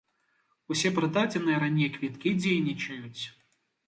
Усе прададзеныя раней квіткі дзейнічаюць.